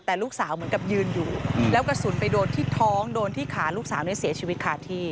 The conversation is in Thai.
แต่ลูกสาวเหมือนกับยืนอยู่แล้วกระสุนไปโดนที่ท้องโดนที่ขาลูกสาวเนี่ยเสียชีวิตขาดที่